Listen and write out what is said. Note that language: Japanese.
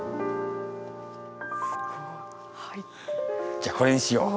じゃあこれにしよう。